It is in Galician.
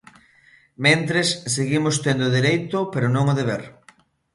Mentres, seguimos tendo o dereito pero non o deber.